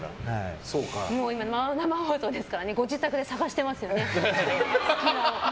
今、生放送ですからご自宅で探してますよね、隙間を。